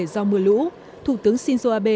do mưa lũ thủ tướng shinzo abe